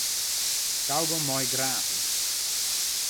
Kaugom mei ik graach oer.